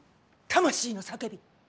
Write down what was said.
魂の叫び！